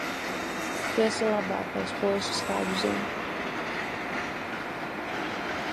Tu esi labākais puisis, kādu zinu.